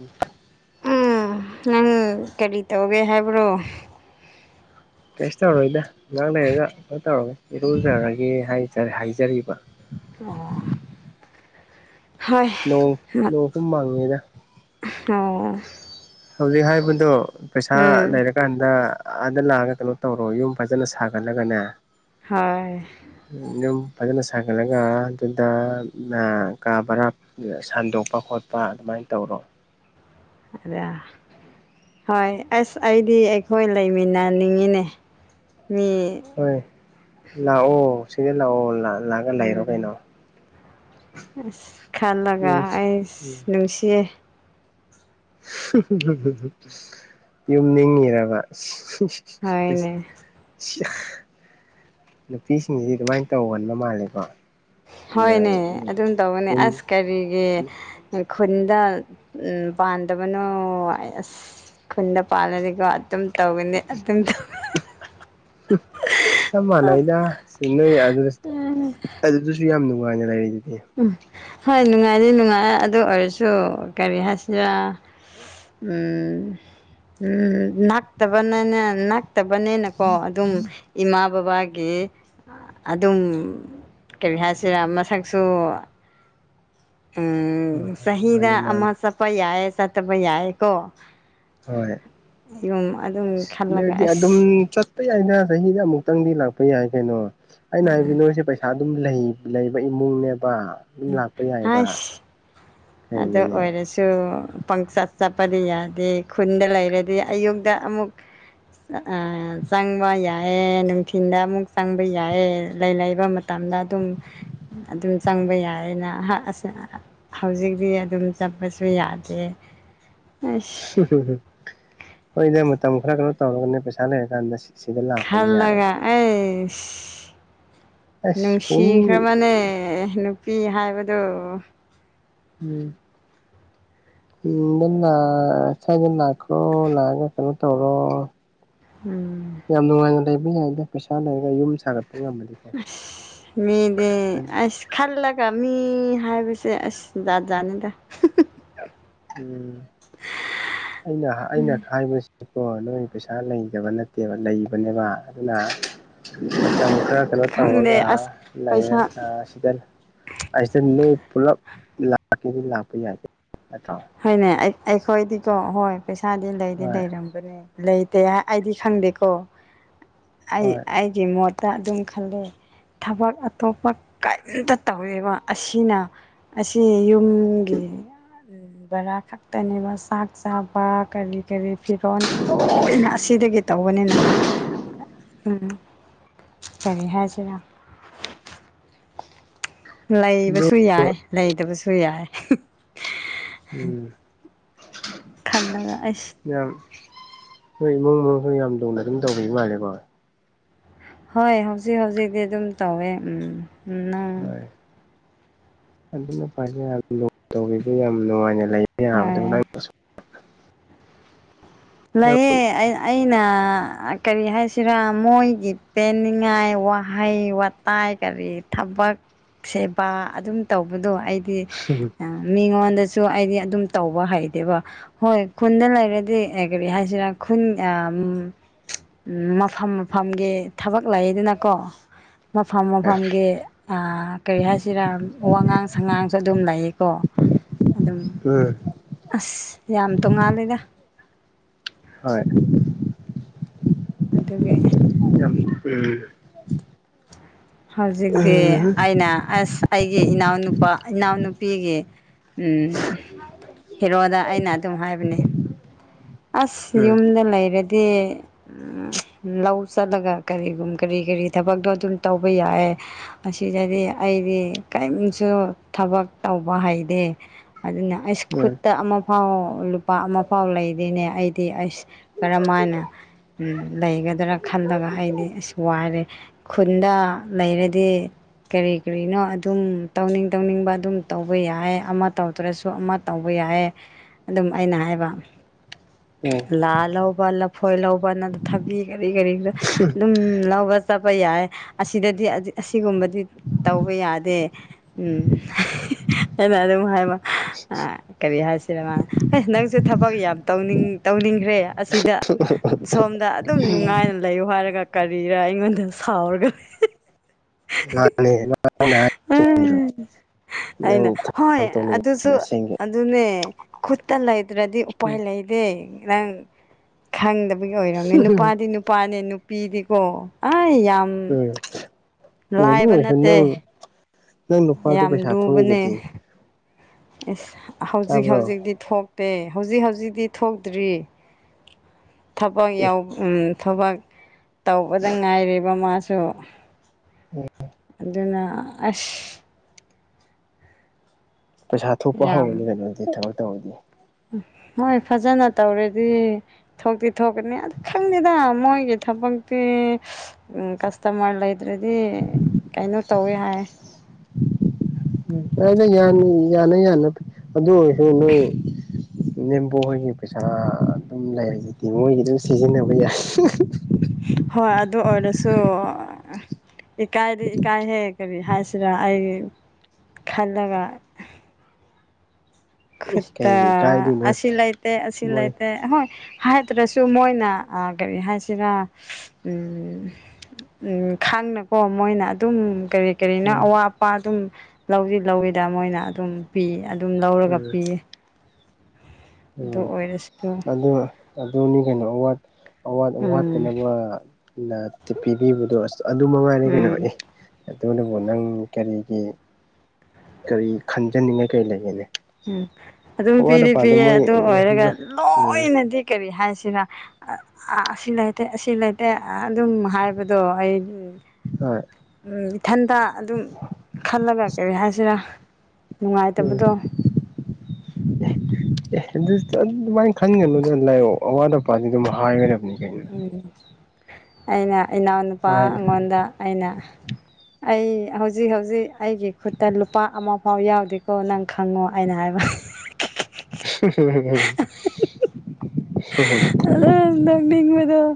ꯎꯝ ꯎꯝ ꯅꯪ ꯀꯔꯤ ꯇꯧꯒꯦ ꯍꯥꯏꯕ꯭ꯔꯣ ꯇꯦꯁ ꯇꯧꯔꯣꯏꯗ ꯉꯉꯥꯡ ꯂꯩꯔꯒ ꯀꯩꯅꯣ ꯇꯧꯔꯒꯦ ꯏꯔꯨꯖꯔꯒꯦ ꯍꯥꯏꯖꯔꯤꯕ ꯑꯣ ꯍꯣꯏ ꯣꯡ ꯂꯣꯡꯐꯨꯝ ꯃꯉꯦꯗ ꯑꯣ ꯍꯧꯖꯤꯛ ꯍꯥꯏꯕꯗꯣ ꯄꯩꯁꯥ ꯎꯝ ꯂꯩꯔꯀꯥꯟꯗ ꯑꯥꯗ ꯂꯥꯛꯑꯒ ꯀꯩꯅꯣ ꯇꯧꯔꯣ ꯌꯨꯝ ꯐꯖꯅ ꯁꯥꯒꯠꯂꯒꯅꯦ ꯍꯣꯏ ꯌꯨꯝ ꯐꯖꯅ ꯁꯥꯒꯠꯂꯒ ꯑꯗꯨꯗ ꯀꯥ ꯕꯔꯥ ꯁꯟꯗꯣꯛꯄ ꯈꯣꯠꯄ ꯑꯗꯨꯃꯥꯏꯅ ꯇꯧꯔꯣ ꯑꯗ ꯍꯣꯏ ꯑꯁ ꯑꯩꯗꯤ ꯑꯩꯈꯣꯏ ꯂꯩꯃꯤꯟꯅꯅꯤꯡꯉꯤꯅꯦ ꯃꯤ ꯍꯣꯏ ꯂꯥꯛꯑꯣ ꯁꯤꯗ ꯂꯥꯛꯑꯣ ꯂꯥꯛꯑꯒ ꯂꯩꯔꯣ ꯎꯝ ꯀꯩꯅꯣ ꯑꯁ ꯈꯜꯂꯒ ꯌꯨꯝ ꯑꯩꯁ ꯅꯨꯡꯁꯤꯌꯦ ꯌꯨꯝ ꯅꯤꯡꯉꯤꯔꯕ ꯍꯥꯏ ꯏꯅꯦ ꯅꯨꯄꯤꯁꯤꯡꯁꯤ ꯑꯗꯨꯃꯥꯏꯅ ꯇꯧꯒꯟꯕ ꯃꯥꯜꯂꯦꯀꯣ ꯅꯨꯡꯉꯥꯏ ꯍꯣꯏꯅꯦ ꯅꯨꯡꯉꯥꯏ ꯑꯗꯨꯝ ꯇꯧꯕꯅꯦ ꯌꯨꯝ ꯑꯁ ꯀꯔꯤꯒꯤ ꯈꯨꯟꯗ ꯄꯥꯟꯗꯕꯅꯣ ꯑꯁ ꯈꯨꯟꯗ ꯄꯥꯜꯂꯗꯤꯀꯣ ꯑꯗꯨꯝ ꯇꯧꯒꯅꯤ ꯑꯗꯨꯝꯧ ꯆꯞ ꯃꯥꯟꯅꯩꯗ ꯁꯤ ꯅꯣꯏ ꯑꯗꯨ ꯑꯗꯨꯁꯨ ꯌꯥꯝ ꯅꯨꯡꯉꯥꯏꯅ ꯂꯩꯔꯤ ꯑꯗꯨꯗꯤ ꯎꯝ ꯍꯣꯏ ꯅꯨꯡꯉꯥꯏꯗꯤ ꯅꯨꯡꯉꯥꯏ ꯑꯗꯨ ꯑꯣꯏꯔꯁꯨ ꯀꯔꯤ ꯍꯥꯏꯁꯤꯔ ꯎ ꯎꯝ ꯅꯅꯥꯥꯛ ꯇꯕ ꯅꯅꯦ ꯅꯥꯛ ꯐꯠꯇꯕꯅꯦꯅꯀꯣ ꯑꯗꯨꯝ ꯏꯃꯥ ꯕꯕꯥꯒꯤ ꯑꯗꯨꯝ ꯀꯔꯤ ꯍꯥꯏꯁꯤꯔꯥ ꯃꯁꯛꯁꯨ ꯍꯣꯏ ꯍꯣꯏ ꯆꯍꯤꯗ ꯃꯥꯅꯦ ꯃꯥꯅꯦ ꯑꯃ ꯆꯠꯄ ꯌꯥꯏ ꯆꯠꯇꯕ ꯌꯥꯏꯀꯣ ꯍꯣꯏ ꯌꯨꯝ ꯑꯗꯨꯝ ꯈꯜꯂꯒ ꯑꯁ ꯆꯄ ꯌꯥꯏꯗ ꯆꯍꯤꯗ ꯑꯃꯨꯛꯇꯪꯗꯤ ꯂꯥꯛꯄ ꯌꯥꯏ ꯀꯩꯅꯣ ꯑꯩꯅ ꯍꯥꯏꯕꯤꯅꯣꯁꯦ ꯄꯩꯁꯥ ꯄꯩꯁꯥ ꯑꯗꯨꯝ ꯂꯩꯕ ꯏꯃꯨꯡꯅꯦꯕ ꯑꯗꯨꯝ ꯂꯥꯛꯄ ꯌꯥꯏꯕ ꯑꯗꯣ ꯀꯩꯅꯣꯅꯦ ꯑꯣꯏꯔ ꯁꯨ ꯄꯪꯆ ꯆꯠꯄꯗꯤ ꯌꯥꯗꯦ ꯈꯨꯟꯗ ꯂꯩꯔꯗꯤ ꯑꯌꯨꯛꯇ ꯑꯃꯨꯛ ꯆꯪꯕ ꯌꯥꯏꯌꯦꯦ ꯅꯨꯡꯊꯤꯤꯟꯗ ꯑꯃꯨꯛ ꯆꯪꯕ ꯌꯥꯏꯌꯦ ꯂꯩ ꯂꯩꯕ ꯃꯇꯝꯗ ꯑꯗꯨꯝ ꯑꯗꯨꯝ ꯆꯪꯕ ꯌꯥꯏꯑꯌꯦꯅ ꯍꯧꯖꯤꯛꯇꯤ ꯑꯗꯨꯝ ꯆꯠꯄꯁꯨ ꯌꯥꯗꯦ ꯑꯁ ꯍꯣꯏꯅꯦ ꯃꯇꯝ ꯈꯔ ꯀꯩꯅꯣ ꯇꯧꯔꯒꯅꯦ ꯄꯩꯁꯥ ꯂꯩꯔꯀꯥꯟꯗ ꯁꯤ ꯈꯔ ꯂꯥ ꯑꯦꯁ ꯑꯁ ꯄꯨꯡ ꯅꯨꯡꯁꯤꯈ꯭ꯔꯕꯅꯦ ꯅꯨꯄꯤ ꯍꯥꯏꯕꯗꯨ ꯎꯝ [unintelligible] ꯗ ꯁꯥꯏꯗ ꯂꯅꯥꯈ꯭ꯔꯣ ꯂꯥꯛꯑꯒ ꯀꯩꯅꯣ ꯇꯧꯔꯣ ꯎꯝ ꯌꯥꯝ ꯅꯨꯡꯉꯥꯏꯅ ꯂꯩꯕ ꯌꯥꯏꯗ ꯄꯩꯁꯥ ꯂꯩꯔꯒ ꯌꯨꯝ ꯁꯥꯒꯠꯄ ꯉꯝꯃꯗꯤꯀꯣ ꯑꯁ ꯃꯤꯗꯦ ꯑꯁ ꯈꯜꯂꯒ ꯃꯤ ꯍꯥꯏꯕꯁꯦ ꯑꯁ ꯖꯥꯠꯖꯥꯠꯅꯤꯗ ꯎꯝ ꯑꯩꯅ ꯑꯩꯅ ꯈꯥꯏꯕꯁꯤ ꯅꯣꯏ ꯄꯩꯁꯥ ꯂꯩꯇꯕ ꯅꯠꯇꯦꯕ ꯂꯩꯕꯅꯦꯕ ꯑꯗꯨꯅ ꯃꯇꯝ ꯈꯔ ꯀꯩꯅꯣ ꯈꯪꯗꯦ ꯇꯧꯔꯒ ꯑꯁ ꯄꯩꯁꯥ ꯂꯩꯥꯏꯌꯦꯒ ꯑꯁꯤꯗ ꯅꯣꯏ ꯄꯨꯂꯞ ꯂꯥꯛꯈꯤ ꯂꯥꯛꯄ ꯌꯥꯗꯦ ꯑꯠꯇꯣ ꯍꯣꯏꯅꯦ ꯑꯩꯈꯣꯏꯗꯤꯀꯣ ꯍꯣꯏ ꯄꯩꯁꯥꯗꯤ ꯂꯩꯗꯤ ꯍꯣꯏ ꯂꯩꯔꯝ ꯂꯩꯇꯦ ꯑꯩꯗꯤ ꯈꯪꯗꯦꯀꯣ ꯍꯣꯏ ꯑꯩ ꯒꯤ ꯃꯣꯠꯇ ꯑꯗꯨꯝ ꯈꯜꯂꯦ ꯊꯕꯛ ꯑꯇꯣꯞꯄ ꯀꯔꯤꯝꯇ ꯇꯧꯋꯦꯕ ꯑꯁꯤꯅ ꯑꯁꯤ ꯌꯨꯝꯒꯤ ꯕꯔꯥ ꯈꯛꯇꯅꯦꯕ ꯆꯥꯛ ꯆꯥꯕ ꯀꯔꯤ ꯀꯔꯤ ꯐꯤꯔꯣꯟꯜꯒ ꯂꯣꯏꯅ ꯑꯁꯤꯗꯒꯤ ꯇꯧꯕꯅꯤꯅ ꯎꯝ ꯀꯔꯤ ꯍꯥꯏꯁꯤꯔ ꯑꯗꯨ ꯂꯩꯕꯁꯨ ꯌꯥꯏ ꯂꯩꯇꯕꯁꯨ ꯌꯥꯏ ꯎꯝ ꯈꯜꯂꯒ ꯑꯁ ꯃꯌꯥꯝ ꯍꯣꯏ ꯏꯃꯨꯡ ꯃꯅꯨꯡꯁꯨ ꯌꯥꯝ ꯂꯧꯅ ꯑꯗꯨꯝ ꯇꯧꯕꯒꯤ ꯃꯥꯜꯂꯦꯀꯣ ꯍꯣꯏ ꯍꯧꯖꯤꯛ ꯍꯧꯖꯤꯛꯇꯤ ꯑꯗꯨꯝ ꯇꯧꯋꯦ ꯎꯝ ꯎꯝ ꯅꯪ ꯍꯣꯏ ꯑꯗꯨꯅ ꯐ ꯂ ꯇꯧꯕꯤꯕ ꯌꯥꯝ ꯅꯨꯡꯉꯥꯏꯅ ꯂꯩꯌꯦ ꯌꯥꯕꯗꯣ ꯍꯣꯏ ꯅꯪ ꯂꯩꯑꯦ ꯑꯩꯅ ꯀꯔꯤ ꯍꯥꯏꯁꯤꯔꯥ ꯃꯣꯏꯒꯤ ꯄꯦꯟꯅꯤꯡꯉꯥꯏ ꯋꯥꯍꯩ ꯋꯥꯇꯥꯏ ꯀꯔꯤ ꯊꯕꯛ ꯁꯦꯕꯥ ꯑꯗꯨꯝ ꯇꯧꯕꯗꯣ ꯑꯩꯗꯤ ꯃꯤꯉꯣꯟꯗꯁꯨ ꯑꯩꯗꯤ ꯑꯗꯨꯝ ꯇꯧꯕ ꯍꯩꯇꯦꯕ ꯍꯣꯏ ꯈꯨꯟꯗ ꯂꯩꯔꯗꯤ ꯀꯔꯤ ꯍꯥꯏꯁꯤꯔ ꯈꯨꯟ ꯎꯝ ꯃꯐꯝ ꯃꯐꯝꯒꯤ ꯊꯕꯛ ꯂꯩꯗꯅꯀꯣ ꯃꯐꯝ ꯃꯐꯝꯒꯤ ꯀꯔꯤ ꯍꯥꯏꯁꯤꯔꯥ ꯋꯥꯉꯥꯡ ꯁꯉꯥꯡꯁꯨ ꯑꯗꯨꯝ ꯂꯩꯌꯦꯀꯣ ꯑꯗꯨꯝ ꯎꯝ ꯑꯁ ꯌꯥꯝ ꯇꯣꯡꯉꯥꯂꯦꯗ ꯍꯣꯏ ꯑꯗꯨꯒꯤ ꯌꯥꯝ ꯍꯧꯖꯤꯛꯇꯤ ꯎꯝ ꯑꯩꯅ ꯑꯁ ꯑꯩꯒꯤ ꯏꯅꯥꯎꯅꯨꯄꯥ ꯏꯅꯥꯎꯅꯨꯄꯤꯒꯤ ꯍꯦꯔꯣꯗ ꯑꯩꯅ ꯑꯗꯨꯝ ꯍꯥꯏꯕꯅꯦ ꯑꯁ ꯎꯝ ꯌꯨꯝꯗ ꯂꯩꯔꯗꯤ ꯂꯧ ꯆꯠꯂꯒ ꯀꯔꯤꯒꯨꯝ ꯀꯔꯤ ꯀꯔꯤ ꯊꯕꯛꯇꯣ ꯑꯗꯨꯝ ꯇꯧꯕ ꯌꯥꯑꯦ ꯑꯁꯤꯗꯗꯤ ꯑꯩꯗꯤ ꯀꯔꯤꯝꯁꯨ ꯊꯕꯛ ꯇꯧꯕ ꯍꯩꯇꯦ ꯑꯗꯨꯅ ꯑꯩꯁ ꯎꯝ ꯈꯨꯠꯇ ꯑꯃꯐꯥꯎ ꯂꯨꯄꯥ ꯑꯃꯐꯥꯎ ꯂꯩꯔꯤꯅꯦ ꯑꯩꯗꯤ ꯑꯁ ꯀꯔꯝ ꯍꯥꯏꯅ ꯂꯩꯒꯗ꯭ꯔꯥ ꯈꯜꯂꯒ ꯑꯩꯗꯤ ꯑꯁ ꯋꯥꯔꯦ ꯈꯨꯟꯗ ꯂꯩꯔꯗꯤ ꯀꯔꯤ ꯀꯔꯤꯅꯣ ꯑꯗꯨꯝ ꯇꯧꯅꯤꯡ ꯇꯧꯅꯤꯡꯕ ꯑꯗꯨꯝ ꯇꯧꯕ ꯌꯥꯏ ꯑꯃ ꯇꯧꯗ꯭ꯔꯁꯨ ꯑꯃ ꯇꯧꯕ ꯌꯥꯌꯦ ꯑꯗꯨꯝ ꯑꯩꯅ ꯍꯥꯏꯕ ꯎꯝ ꯂꯥ ꯂꯧꯕ ꯂꯐꯣꯏ ꯂꯧꯕ ꯅ ꯊꯕꯤ ꯀꯔꯤ ꯀꯔꯤꯣ ꯑꯗꯨꯝ ꯂꯧꯕ ꯆꯠꯄ ꯌꯥꯏ ꯑꯁꯤꯗꯗꯤ ꯑꯁꯤꯒꯨꯝꯕꯗꯤ ꯇꯧꯕ ꯌꯥꯗꯦ ꯎꯝ ꯍꯥꯏꯅ ꯑꯗꯨꯝ ꯍꯥꯏꯃ [unintelligible] ꯀꯔꯤ ꯍꯥꯏꯁꯤꯔ ꯃꯥꯅꯦ ꯑꯦ ꯅꯪꯁꯨ ꯊꯕꯛ ꯌꯥꯝ ꯇꯧꯅꯤꯡ ꯇꯧꯅꯤꯡꯈ꯭ꯔꯦ ꯑꯁꯤꯗ ꯁꯣꯝꯗ ꯑꯗꯨꯝ ꯅꯨꯡꯉꯥꯏꯅ ꯂꯩꯌꯨ ꯍꯥꯏꯔꯒ ꯀꯔꯤꯔ ꯑꯩꯉꯣꯟꯗ ꯁꯥꯎꯔꯒ ꯂꯩ ꯃꯥꯅꯦ ꯃꯅꯥ ꯍꯥꯏꯗꫭ ꯆꯨꯝꯗꯔꫭ ꯑꯩꯅ ꯍꯣꯏ ꯑꯗꯨꯁꯨ ꯇꯧꯅꯤꯡꯉꯦ ꯑꯁꯦꯡꯒꯤ ꯑꯗꯨꯅꯦ ꯈꯨꯠꯇ ꯂꯩꯇ꯭ꯔꯗꯤ ꯎꯄꯥꯏ ꯂꯩ ꯗꯦ ꯅꯪ ꯈꯪꯗꯕꯒꯤ ꯑꯣꯏꯔꯝꯅꯦ ꯎꯝ ꯅꯨꯄꯥꯗꯤ ꯅꯨꯄꯥꯅꯦ ꯄꯤꯗꯤꯀꯣ ꯑꯩ ꯌꯥꯝ ꯑꯦ ꯑꯗꯨ ꯂꯥꯏꯕ ꯑꯣꯏꯔꯁꯨ ꯅꯠꯇꯦ ꯅꯪ ꯅꯪ ꯅꯨꯄꯥꯗꯨ ꯌꯥꯝ ꯄꯩꯁꯥ ꯊꯣꯛꯏꯗꯨꯗꯤ ꯂꯨꯕꯅꯦ ꯑꯁ ꯍꯧꯖꯤꯛ ꯇꯥꯕ꯭ꯔꯣ ꯍꯧꯖꯤꯛꯗꯤ ꯊꯣꯛꯇꯦ ꯍꯧꯖꯤꯛ ꯍꯧꯖꯤꯛꯇꯤ ꯊꯣꯛꯇ꯭ꯔꯤ ꯊꯕꯛ ꯑꯦ ꯌꯥꯎ ꯎꯝ ꯊꯕꯛ ꯇꯧꯕꯗ ꯉꯥꯏꯔꯤꯕ ꯃꯥꯁꯨ ꯑꯗꯨꯅ ꯑꯁ ꯄꯩꯁꯥ ꯊꯣꯛꯄ ꯍꯧꯔꯅꯤ ꯀꯩꯅꯣ ꯑꯗꯨꯗꯤ ꯊꯕꯛ ꯇꯧꯔꯗꯤ ꯃꫭꯏ ꯐꯖꯅ ꯇꯧꯔꯗꯤ ꯊꯣꯛꯇꯤ ꯊꯣꯛꯀꯅꯤ ꯑꯗꯨ ꯈꯪꯗꯦꯗ ꯃꯣꯏꯒꯤ ꯊꯕꯛꯇꯤ ꯀꯁꯇꯃ꯭ꯔ ꯂꯩ ꯇꯔꯗꯤ ꯀꯩꯅꯣ ꯇꯧꯋꯦ ꯍꯥꯏꯌꯦ ꯑꯩꯅ ꯌꯥꯅꯤ ꯌꯥꯅ ꯌꯥꯅ ꯑꯗꯨ ꯑꯣꯏꯔꯁꯨ ꯅꯣꯏ ꯅꯦꯝꯕꯣ ꯍꯣꯏꯒꯤ ꯄꯩꯁꯥ ꯑꯗꯨꯝ ꯂꯩꯔꯤꯗꯨꯗꯤ ꯃꯣꯏꯒꯤ ꯑꯗꯨꯝ ꯁꯤꯖꯤꯟꯅꯕ ꯌꯥꯏ ꯍꯣꯏ ꯑꯗꯨ ꯑꯣꯏꯔꯁꯨ ꯏꯀꯥꯏꯗꯤ ꯏꯀꯥꯏꯍꯦꯛ ꯀꯔꯤ ꯍꯥꯏꯁꯤꯔ ꯑꯩꯒꯤ ꯈꯜꯂꯒ ꯈꯨꯠꯇ ꯀꯩꯒꯤ ꯏꯀꯥꯏꯗꯣꯏꯅꯣ ꯑꯁꯤ ꯂꯩꯥꯏꯇ ꯑꯁꯤ ꯃꯣꯏ ꯂꯩꯥꯏꯇ ꯍꯣꯏ ꯍꯥꯏꯗ꯭ꯔꯁꯨ ꯃꯣꯏꯅ ꯑꯥ ꯀꯔꯤ ꯍꯥꯏꯁꯤꯔꯥ ꯎꯝ ꯈꯥꯡꯅꯀꯣ ꯃꯣꯏꯅ ꯑꯗꯨꯝ ꯀꯔꯤ ꯀꯔꯤꯅꯣ ꯎꯝ ꯑꯋꯥ ꯑꯄꯥ ꯑꯗꯨꯝ ꯂꯧꯗꯤ ꯂꯧꯋꯤꯗ ꯃꯣꯏꯅ ꯑꯗꯨꯝ ꯄꯤ ꯑꯗꯨꯝ ꯂꯧꯔꯒ ꯄꯤꯌꯦ ꯑꯗꯨ ꯑꯣ ꯑꯣꯏꯔꯁꯨ ꯑꯗꯨꯒ ꯑꯗꯨꯅꯤ ꯀꯩꯅꯣ ꯑꯋꯥꯠ ꯑꯋꯥꯠ ꯎꯝ ꯑꯋꯥꯠꯇꯅꯕꯅ ꯄꯤꯕꯤꯕꯗꯣ ꯑꯁ ꯑꯗꯨ ꯃꯉꯥꯏꯔꯦ ꯀꯩꯅꯣ ꯎꯝ ꯑꯦ ꯑꯗꯨꯅꯕꯨ ꯅꯪ ꯀꯔꯤꯒꯤ ꯀꯔꯤ ꯈꯟꯖꯅꯤꯡꯉꯦ ꯀꯔꯤ ꯂꯩꯒꯦꯅꯦ ꯎꯝ ꯑꯗꯨꯝ ꯑꯋꯥꯠ ꯄꯤꯗꯤ ꯑꯄꯥꯗꯣ ꯄꯤꯌꯦ ꯃꯣꯏ ꯑꯗꯨ ꯎꯝ ꯍꯣꯏ ꯑꯣꯏꯔꯒ ꯂꯣꯏꯅꯗꯤ ꯀꯔꯤ ꯍꯥꯏꯁꯤꯔ ꯑꯁꯤ ꯂꯩꯇꯦ ꯑꯁꯤ ꯂꯩꯇꯦ ꯑꯗꯨꯝ ꯍꯥꯏꯕꯗꯣ ꯑꯩ ꯍꯣꯏ ꯎꯝ ꯏꯊꯟꯇ ꯑꯗꯨꯝ ꯈꯜꯂꯒ ꯀꯔꯤ ꯍꯥꯏꯁꯤꯔꯥ ꯎꯝ ꯅꯨꯡꯉꯥꯏꯇꯕꯗꯣ [inaudible] ꯑꯦ ꯑꯗꯨ ꯑꯗꯨꯃꯥꯏꯅ ꯈꯟꯒꯅꯨꯗ ꯂꯥꯏꯑꯣ ꯑꯋꯥꯠ ꯑꯄꯥꯗꯤ ꯑꯗꯨꯝ ꯍꯥꯏꯒꯗꯕꯅꯤ ꯀꯩꯅꯣ ꯎꯝ ꯑꯩꯅ ꯏꯅꯥꯎꯅꯨꯄꯥ ꯍꯥꯏ ꯑꯩꯉꯣꯟꯗ ꯑꯩꯅ ꯑꯩ ꯍꯧꯖꯤꯛ ꯍꯧꯖꯤꯛ ꯑꯩꯒꯤ ꯈꯨꯠꯇ ꯂꯨꯄꯥ ꯑꯃ ꯐꯥꯎ ꯌꯥꯎꯗꯦꯀꯣ ꯅꯪ ꯈꯪꯉꯣ ꯑꯩꯅ ꯍꯥꯏꯕ [unintelligible] ꯑꯗꯨ ꯅꫭꯛꯅꯤꯡꯕꯗꫭ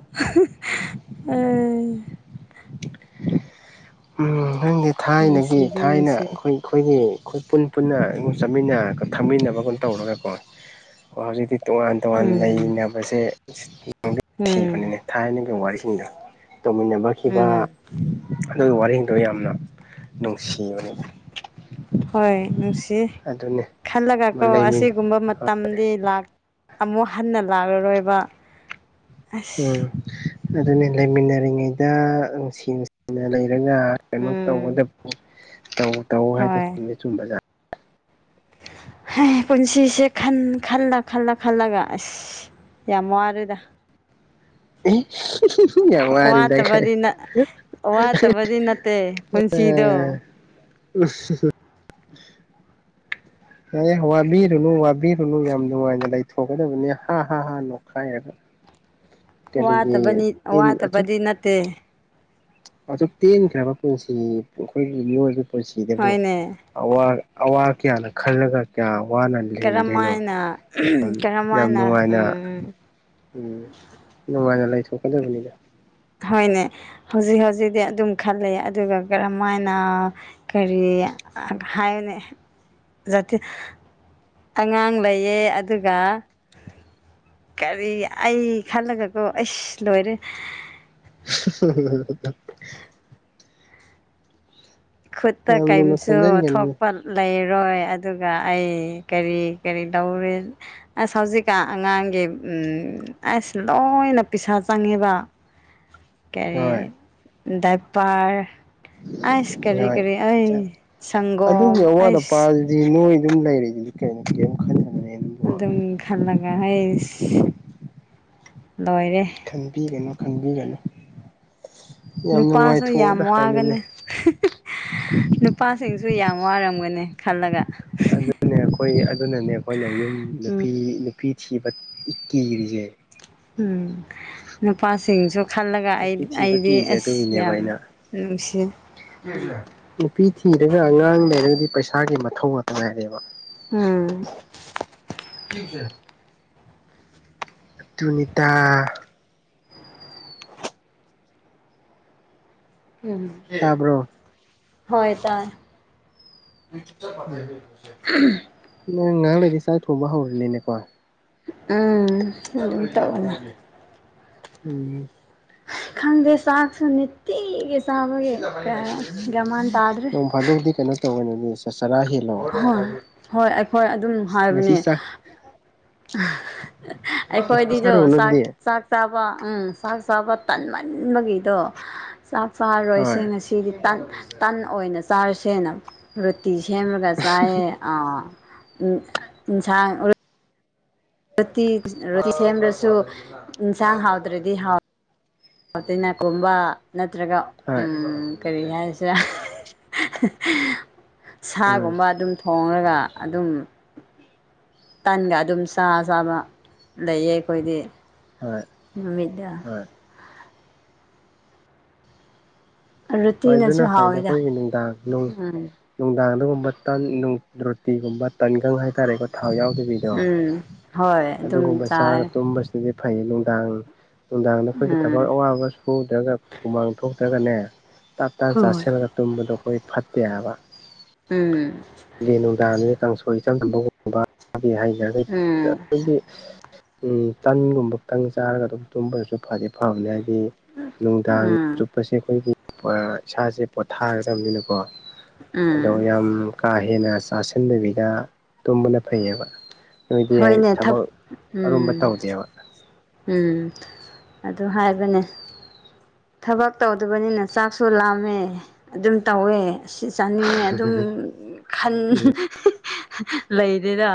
ꯎ ꯅꯪꯒꯤ ꯊꯥꯏꯅꯒꯤ ꯅꯨꯡꯁꯤꯗꯤ ꯊꯥꯏꯅ ꯅꯨꯡꯁꯤ ꯑꯩꯈꯣꯏ ꯑꯩꯈꯣꯏꯒꯤ ꯑꯩꯈꯣꯏ ꯄꯨꯟ ꯄꯨꯟꯅ ꯑꯩꯉꯣꯟ ꯆꯠꯃꯤꯟꯅ ꯊꯝꯃꯤꯟꯅꯕꯒꯨꯝ ꯇꯧꯔꯒꯀꯣ ꯑꯣ ꯍꯧꯖꯤꯛꯇꯤ ꯇꯣꯉꯥꯟ ꯇꯣꯉꯥꯟ ꯎꯝ ꯂꯩꯅꯕꯁꯦ [unintelligible] ꯎꯝ ꯊꯤꯕꯅꯤꯅꯦ ꯊꯥꯏꯅꯒꯤ ꯋꯥꯔꯤꯁꯤꯡꯗꫭ ꯇꯧꯃꯤꯟꯅꯕ ꯎꯝ ꯑꯗꯨꯒꯤ ꯋꯥꯔꯦꯡꯗꯣ ꯌꯥꯝꯅ ꯅꯨꯡꯁꯤꯕꯅꯤꯗ ꯍꯣꯏ ꯅꯨꯡꯁꯤ ꯈꯜꯂꯒ ꯀꯣ ꯂꯩꯃꯤ ꯑꯁꯤꯒꯨꯝꯕ ꯃ ꯇꯝꯗꯤ ꯂꯥꯛ ꯑꯃꯨꯛ ꯍꯟꯅ ꯂꯥꯛꯂꯔꯣꯏꯕ ꯑꯁ ꯎꯝ ꯑꯗꯨꯅꯤ ꯂꯩꯃꯤꯟꯅꯔꯤꯉꯩꯗ ꯅꯨꯡꯁꯤ ꯅꯨꯡꯁꯤꯅ ꯂꯩꯔꯒ ꯀꯩꯅꯣ ꯎꯝ ꯇꯧꯒꯗꯕꯨ ꯇꯧ ꯇꯧ ꯍꯥꯏꯗꯅ ꯍꯣꯏ ꯆꯨꯝꯗꯤ ꯆꯨꯝꯕꯖꯥꯠꯅꯤ ꯍꯥ ꯄꯨꯟꯁꯤꯁꯦꯟ ꯈꯜꯂ ꯈꯜꯂ ꯈꯜꯂꯒ ꯑꯁ ꯌꯥꯝ ꯋꯔꯦꯗ ꯌꯥꯝ ꯋꯥꯔꯤꯗ ꯀꯥꯏ ꯋꯥꯠꯇꯕꯗꯤ ꯅꯠ ꯋꯥꯠꯇꯕꯗꯤ ꯅꯠꯇꯦ ꯄꯨꯟꯁꯤꯗꯣ [inaudible] ꯎꯁ ꯉꯦ ꯋꯥꯕꯤꯔꯨꯅꯨ ꯋꯥꯕꯤꯔꯨꯅꯨ ꯌꯥꯝ ꯅꯨꯡꯉꯥꯏꯅ ꯂꯩꯊꯣꯛꯀꯗꯕꯅꯤ ꯍꯥ ꯍꯥ ꯍꯥ ꯅꯣꯈꯥꯏꯔꯒ ꯋꯥꯇꯕꯅꯤ ꯋꯥꯇꯕꯗꯤ ꯅꯠꯇꯦ ꯑꯗꯨꯛ ꯇꯦꯟꯈ꯭ꯔꯕ ꯄꯨꯟꯁꯤꯅꯤ ꯑꯩꯈꯣꯏꯒꯤ ꯃꯤꯑꯣꯏꯕ ꯄꯨꯟꯁꯤꯗꯕꯨ ꯍꯣꯏꯅꯦ ꯑꯋꯥ ꯑꯋꯥ ꯀꯌꯥꯅ ꯈꯜꯂꯒ ꯀꯌꯥ ꯋꯥꯅ ꯀꯔꯝ ꯂꯤꯡꯗꯣꯏꯅꯣ ꯍꯥꯏꯅ ꯌꯥꯝ ꯀꯔꯝ ꯌꯥꯝ ꯍꯥꯏꯅ ꯅꯨꯡꯉꯥꯏꯅ ꯎꯝ ꯎꯝ ꯅꯨꯡꯉꯥꯏꯅ ꯂꯩꯊꯣꯛꯀꯗꯕꯅꯤꯗ ꯍꯣꯏꯅꯦ ꯍꯧꯖꯤꯛ ꯍꯧꯖꯤꯛꯇꯤ ꯑꯗꯨꯝ ꯈꯜꯂꯦ ꯑꯗꯨꯒ ꯀꯔꯝꯃꯥꯏꯅ ꯀꯔꯤ ꯑ ꯍꯥꯏꯅꯤ ꯖꯇꯤ ꯑꯉꯥꯡ ꯂꯩꯌꯦ ꯑꯗꯨꯒ ꯀꯔꯤ ꯑꯩ ꯈꯜꯂꯒꯀꯣ ꯑꯩꯁ ꯂꯣꯏꯔꯦ [unintelligible] ꯈꯨꯠꯇ ꯌꯥꯝ ꯂꯨꯅ ꯀꯩꯝꯁꯨ ꯈꯟꯖꯤꯟꯒꯅꯨ ꯊꯣꯛꯄꯟ ꯂꯩꯔꯣꯏ ꯑꯗꯨꯒ ꯑꯩ ꯀꯔꯤ ꯀꯔꯤ ꯇꯧꯔꯤ ꯑꯁ ꯍꯧꯖꯤꯛꯀꯥꯟ ꯑꯉꯥꯡꯒꯤ ꯎꯝ ꯑꯁ ꯂꯣꯏꯅ ꯄꯤꯁꯥ ꯆꯪꯉꯦꯕ ꯍꯣꯏ ꯀꯔꯤ ꯗꯥꯏꯄꯔ ꯑꯩꯁ ꯀꯔꯤ ꯍꯣꯏ ꯀꯔꯤ ꯑꯩ ꯁꯪꯒꯣꯝ ꯑꯗꯨꯒꯤ ꯑꯋꯥꯠ ꯑꯩꯁ [unintelligible] ꯑꯗꯨꯝ ꯈꯜꯂꯒ ꯍꯩꯁ ꯂꯣꯏꯔꯦ ꯈꯟꯕꯤꯒꯅꯨ ꯈꯪꯕꯤꯒꯅꯨ ꯅꯨꯄꯥꯁꯨ ꯌꯥꯝ ꯋꯥꯒꯅꯤ ꯅꯨꯄꯥꯁꯤꯡꯁꯨ ꯌꯥꯝ ꯋꯥꯔꯝꯒꯅꯤ ꯈꯜꯂꯒ ꯅꯦ ꯑꯩꯈꯣꯏ ꯑꯗꯨꯅꯅꯦ ꯑꯩꯈꯣꯏꯅ ꯌꯨꯝ ꯎꯝ ꯅꯨꯄꯤ ꯅꯨꯄꯤ ꯊꯤꯕ ꯀꯤꯔꯤꯁꯦ ꯎꯝ ꯅꯨꯄꯥꯁꯤꯡꯁꯨ ꯈꯜꯂꯒ ꯑꯩ ꯅꯨꯄꯤ ꯊꯤꯕ ꯑꯩꯗꯤ ꯀꯤꯔꯤꯁꯦ ꯑꯁ ꯑꯗꯨꯒꯤꯅꯦꯕ ꯌꯥꯝ ꯑꯩꯅ ꯅꯨꯡꯁꯤ ꯅꯨꯄꯤ ꯊꯤꯔꯒ ꯑꯉꯥꯡ ꯂꯩꯔꯗꯤ ꯄꯩꯁꯥꯒꯤ ꯃꯊꯧꯉꯥꯛꯇ ꯉꯥꯏꯔꯦꯕ ꯎꯝ ꯇꯨꯅꯤꯇꯥ ꯎꯝ ꯇꯥꯕ꯭ꯔꯣ ꯍꯣꯏ ꯇꯥꯏ ꯎꯝ [unintelligible] ꯅꯪ ꯉꯍꯥꯛ‌ꯂꯩꯔꯗꯤ ꯆꯥꯛ ꯊꯣꯡꯕ ꯍꯧꯔꯅꯤꯅꯦꯀꯣ ꯎꯝ ꯎꯝ ꯈꯪꯗꯦ ꯆꯥꯛꯁꯨ ꯅꯤꯇꯤꯒꯤ ꯆꯥꯕꯒꯤ ꯀꯩꯝ ꯒ꯭ꯌꯥꯟꯃꯥꯟ ꯇꯥꯗ꯭ꯔꯦ ꯑꯗꯨꯗꯤ ꯀꯩꯅꯣ ꯇꯧꯔꯝꯃꯅꯤ ꯆ ꯆꯔꯥ ꯍꯦꯟ ꯑꯍ ꯍꯣꯏ ꯍꯣꯏ ꯑꯗꯨꯝ ꯍꯥꯏꯕꯅꯦ ꯉꯁꯤ ꯆꯥꯛ ꯉꯁꯤ ꯑꯩꯈꯣꯏꯗꯤꯗꯣ ꯆꯥꯔꯨꯔꯣ ꯆꯥꯛ ꯅꯣꯏꯗꯤ ꯆꯥꯛ ꯆꯥꯕ ꯎꯝ ꯆꯥꯛ ꯆꯥꯕ ꯇꯟꯃꯟꯕꯒꯤꯗꯣ ꯆꯥꯛ ꯆꯥꯔꯣꯏꯁꯦ ꯍꯣꯏ ꯉꯁꯤ ꯁꯤꯗꯤ ꯇꯟ ꯇꯟ ꯑꯣꯏꯅ ꯆꯥꯔꯁꯦꯅ ꯔꯨꯇꯤ ꯁꯦꯝꯂꯒ ꯆꯥꯏꯌꯦ ꯑꯥ ꯎꯝ ꯏꯟꯁꯥꯡ ꯔꯣꯇꯤ ꯔꯣꯇꯤ ꯁꯦꯝꯗ꯭ꯔꯁꯨ ꯏꯟꯁꯥꯡ ꯍꯥꯎꯇ꯭ꯔꯗꯤ ꯍꯥꯎ ꯍꯣꯏ [unintelligible] ꯀꯔꯤ ꯍꯥꯏꯁꯤꯔꯥ ꯎꯝ ꯁꯥꯒꯨꯝꯕ ꯑꯗꯨꯝ ꯊꯣꯡꯔꯒ ꯑꯗꯨꯝ ꯇꯟꯒ ꯑꯗꯨꯝ ꯆꯥ ꯆꯥꯕ ꯂꯩꯌꯦ ꯑꯩꯈꯣꯏꯗꯤ ꯍꯣꯏ ꯅꯨꯃꯤꯠꯗ ꯍꯣꯏ ꯍꯣꯏ ꯔꯨꯇꯤꯅꯁꯨ ꯑꯗꯨꯅ ꯐꯩꯗ ꯍꯥꯎꯋꯤꯗ ꯑꯩꯈꯣꯏꯒꯤ ꯅꯨꯡꯗꯥꯡ ꯅꯨꯡ ꯎꯝ ꯅꯨꯡꯗꯥꯡꯗꯒꯨꯝꯕ ꯇꯟ ꯅꯨ ꯔꯣꯇꯤꯒꯨꯝꯕ ꯇꯟꯒꯪ ꯍꯥꯏꯇꯥꯔꯦꯀꯣ ꯊꯥꯎ ꯌꯥꯎꯗꯕꯤ ꯌꯣ ꯎꯝ ꯍꯣꯏ ꯑꯗꯨꯝ ꯑꯗꯨꯒꯨꯝꯕ ꯆꯥꯔꯒ ꯆꯥꯏ ꯇꯨꯝꯕꯁ ꯑꯗꯨꯗꯤ ꯐꯩꯌꯦ ꯅꯨꯡꯗꯥꯡ ꯅꯨꯡꯗꯥꯡꯗ ꯑꯩꯈꯣꯏꯒꯤ ꯊꯕꯛ ꯎꯝ ꯑꯋꯥꯕ ꯁꯨ ꯁꯨꯗ꯭ꯔꯒ ꯍꯨꯃꯥꯡ ꯊꯣꯛꯇ꯭ꯔꯒꯅꯦ ꯇꯞ ꯇꯥꯅ ꯍꯣꯏ ꯆꯥꯁꯤꯜꯂ ꯇꯨꯝꯕꯗꯣ ꯑꯩꯈꯣꯏ ꯐꯠꯇꯦ ꯍꯥꯏꯕ ꯎꯝ ꯅꯨꯡꯗꯥꯡꯗꯨꯅꯤ ꯀꯥꯡꯁꯣꯏꯆꯝꯝꯕꯒꯨꯝꯕ ꯍꯥꯏꯖꯒ ꯎꯝ ꯑꯩꯒꯤ ꯇꯟꯒꯨꯝꯕꯛꯇꯪ ꯆꯥꯔꯒ ꯑꯗꯨꯝ ꯇꯨꯝꯕꯗꯁꯨ ꯐꯗꯤ ꯐꯕꯅꯤ ꯍꯥꯏꯗꯤ ꯅꯨꯡꯗꯥꯡ ꯎꯝ ꯆꯨꯞꯄꯁꯦ ꯑꯩꯈꯣꯏꯒꯤ ꯏꯁꯥꯁꯦ ꯄꯣꯊꯥꯒꯗꯕꯅꯤꯅꯀꯣ ꯑꯗꯣ ꯎꯝ ꯌꯥꯝ ꯀꯥ ꯍꯦꯟꯅ ꯆꯥꯁꯤꯟꯗꯕꯤꯗ ꯇꯨꯝꯕꯅ ꯐꯩꯌꯦꯕ ꯅꯣꯏꯗꯤ ꯍꯣꯏꯅꯦ ꯊꯛ ꯊꯕꯛ ꯑꯔꯨꯝꯕ ꯎꯝ ꯇꯧꯗꯦꯕ ꯎꯝ ꯑꯗꯨ ꯍꯥꯏꯕꯅꯦ ꯊꯕꯛ ꯇꯧꯗꯕꯅꯤꯅ ꯆꯥꯛꯁꯨ ꯂꯥꯝꯃꯦ ꯑꯗꯨꯝ ꯇꯧꯋꯦ ꯑꯁꯤ ꯆꯥꯅꯤꯡꯉꯦ ꯑꯗꯨꯝ ꯈꯟ ꯎꯝ ꯂꯩꯗꯅ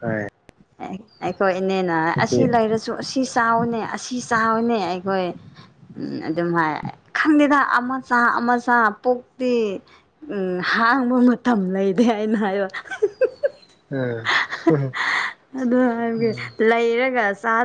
ꯍ ꯑꯩꯈꯣꯏ ꯏꯅꯦꯅ ꯑꯁꯤ ꯑꯗꯒꯤ ꯂꯩꯔꯁꯨ ꯑꯁꯤ ꯆꯥꯎꯅꯤ ꯑꯁꯤ ꯆꯥꯎꯅꯦ ꯑꯩꯈꯣꯏ ꯎꯝ ꯑꯗꯨꯝ ꯍꯥꯏ ꯈꯪꯗꯦꯗ ꯑꯃꯆꯥ ꯑꯃꯆꯥ ꯄꯣꯛꯇꯤ ꯎꯝ ꯍꯥꯡꯕ ꯃꯇꯝ ꯂꯩꯔꯦ ꯍꯥꯏꯅ ꯍꯥꯏꯕ ꯑꯝ ꯑꯗꯨ ꯍꯥꯏꯕꯒꯤ ꯂꯩꯔꯒ ꯆꯥꯗ